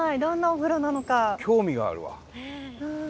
興味があるわ。